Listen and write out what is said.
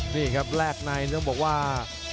นี่ครับแลกในต้องบอกว่า